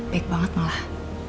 baik banget ngelah